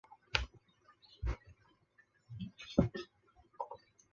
而且自堆填区渗出的臭气于夏天有时更可传至顺利临时房屋区一带。